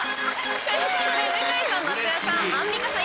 ということで向井さん松也さんアンミカさん